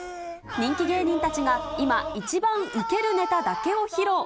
人気芸人たちが今、一番ウケるネタだけを披露。